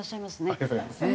ありがとうございます。